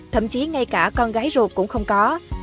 thậm chí ngay cả con gái ruột cũng không có